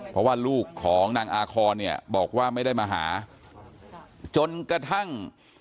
เพราะว่าลูกของนางอาคอนเนี่ยบอกว่าไม่ได้มาหาจนกระทั่ง